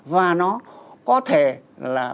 và nó có thể là